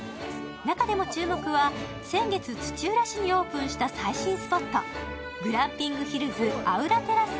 中でも注目は、先月土浦市にオープンした最新スポット、グランピングヒルズ・アウラテラス